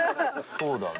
そうだね。